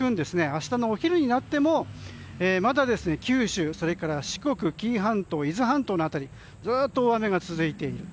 明日のお昼になってもまだ九州それから四国、紀伊半島伊豆半島の辺りずっと大雨が続いている。